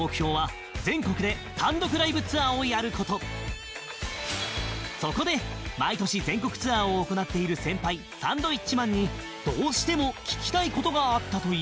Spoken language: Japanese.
２人のそこで毎年全国ツアーを行っている先輩サンドウィッチマンにどうしても聞きたい事があったという